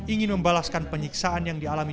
ingin membalaskan penyiksaan yang dialami